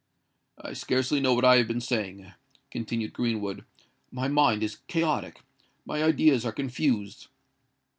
"I scarcely know what I have been saying," continued Greenwood: "my mind is chaotic—my ideas are confused.